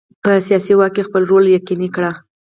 په سیاسي واک کې خپل رول یقیني کړي.